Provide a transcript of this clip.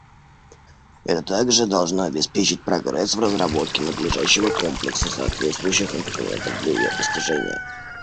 Это также должно обеспечить прогресс в разработке надлежащего комплекса соответствующих инструментов для ее достижения.